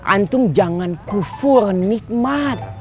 ustadz jangan kufur nikmat